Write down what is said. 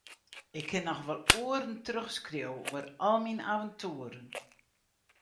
Ik kin noch wol oeren trochskriuwe oer al myn aventoeren.